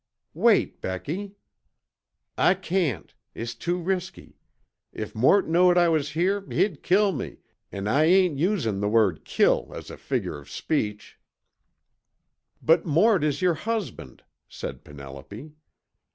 "Wait, Becky." "I cain't. It's too risky. If Mort knowed I was here he'd kill me, an' I ain't usin' the word 'kill' as a figger o' speech." "But Mort is your husband," said Penelope.